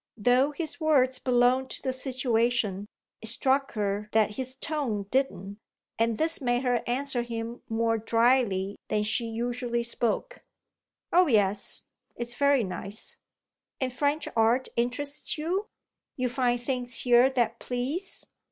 Though his words belonged to the situation it struck her that his tone didn't, and this made her answer him more dryly than she usually spoke. "Oh yes, it's very nice." "And French art interests you? You find things here that please?"